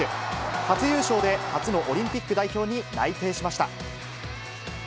初優勝で初のオリンピック代表に内定しました。